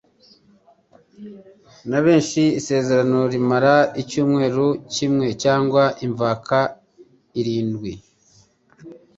na benshi isezerano rimare icyumweru kimwe" cyangwa imvaka irindwi."